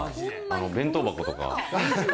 弁当箱とか。